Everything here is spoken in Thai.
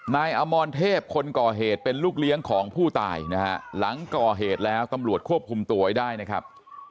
นายอมรเทพคนก่อเหตุเป็นลูกเลี้ยงของผู้ตายนะฮะหลังก่อเหตุแล้วตำรวจควบคุมตัวไว้ได้นะครับ